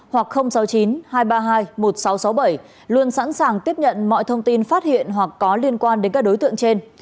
hoặc sáu mươi chín hai trăm ba mươi hai một nghìn sáu trăm sáu mươi bảy luôn sẵn sàng tiếp nhận mọi thông tin phát hiện hoặc có liên quan đến các đối tượng trên